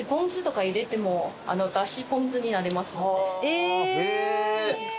え。